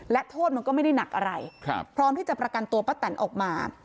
และโทษมันก็ไม่ได้หนักอะไรพร้อมที่จะประกันตัวป้าแตนออกมา